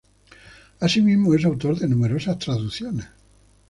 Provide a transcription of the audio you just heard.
Asimismo es autor de numerosas traducciones.